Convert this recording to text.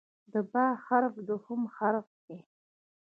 د "ب" حرف دوهم حرف دی.